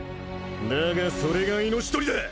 だがそれが命取りだ！